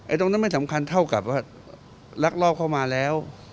ตรงนั้นไม่สำคัญเท่ากับว่าลักลอบเข้ามาแล้ว